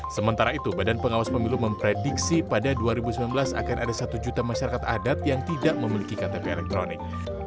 sementara itu badan pengawas pemilu memprediksi pada dua ribu sembilan belas akan ada satu juta masyarakat adat yang tidak memiliki ktp elektronik